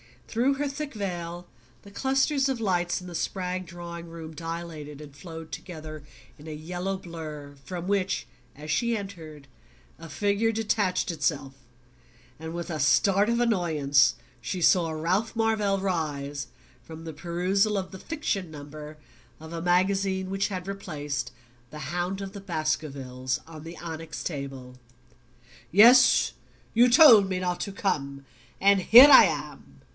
Through her thick veil the clusters of lights in the Spragg drawing room dilated and flowed together in a yellow blur, from which, as she entered, a figure detached itself; and with a start of annoyance she saw Ralph Marvell rise from the perusal of the "fiction number" of a magazine which had replaced "The Hound of the Baskervilles" on the onyx table. "Yes; you told me not to come and here I am."